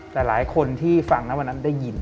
แต่หลายคนที่ฟังนะวันนั้นได้ยิน